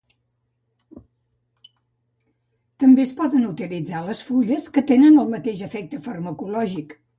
També es poden utilitzar les fulles, que tenen el mateix efecte farmacològic.